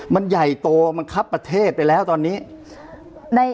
มันใหญ่โตมันครับประเทศไปแล้วตอนนี้